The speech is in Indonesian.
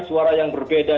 suara yang berbeda